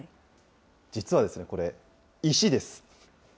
実はこれ、石です。